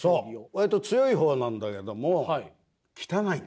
割と強いほうなんだけども汚い。